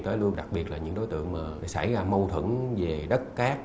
đó là luôn đặc biệt là những đối tượng mà xảy ra mâu thuẫn về đất cát